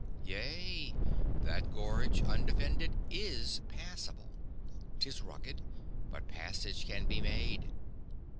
"Yea. That gorge, undefended, is passable. 'Tis rugged, but passage can be made.